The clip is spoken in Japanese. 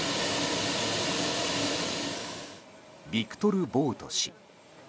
ビクトル・ボウト氏。